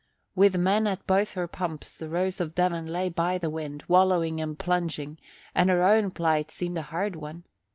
With men at both her pumps the Rose of Devon lay by the wind, wallowing and plunging, and her own plight seemed a hard one.